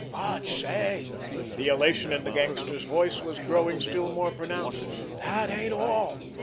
"But, say"—the elation in the gangster's voice was growing still more pronounced—"that ain't all!